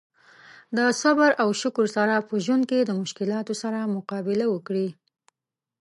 د صبر او شکر سره په ژوند کې د مشکلاتو سره مقابله وکړي.